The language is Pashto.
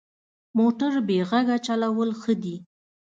موټر بې غږه چلول ښه دي.